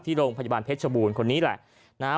ที่โรงพยาบาลเพชรชบูรณ์คนนี้แหละ